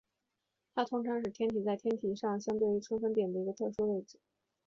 它通常是天体在天球上相对于春分点的一个特殊位置。